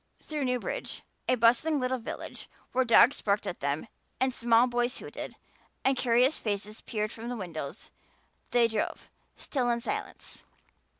Through Newbridge, a bustling little village where dogs barked at them and small boys hooted and curious faces peered from the windows, they drove, still in silence.